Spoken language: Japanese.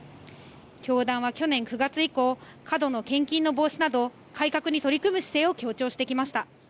教団は去年９月以降、過度の献金の防止など、改革に取り組む姿勢を強調してきました。